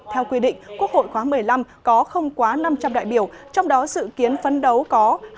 theo quy định quốc hội khóa một mươi năm có không quá năm trăm linh đại biểu trong đó dự kiến phấn đấu có